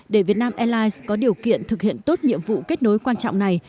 để việt nam airlines có điều kiện thực hiện tốt nhiệm vụ kết nối quan trọng này